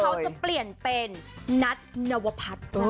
เขาจะเปลี่ยนเป็นนัทนวพัฒน์